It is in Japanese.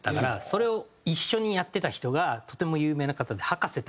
それを一緒にやってた人がとても有名な方で葉加瀬